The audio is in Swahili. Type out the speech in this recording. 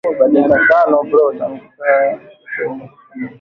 Tanganika inatoshaka mikebuka mingi sana